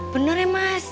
bener ya mas